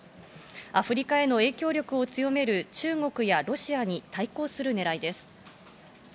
アフリカへの影響力を強める中国やロシアに対抗するねらいです。